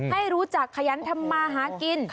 ให้รู้จักขยันทำมาหากิน